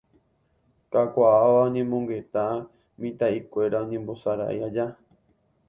Kakuaáva oñemongeta mitã'ikuéra oñembosarái aja